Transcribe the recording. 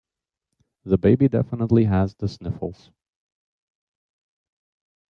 The baby definitely has the sniffles.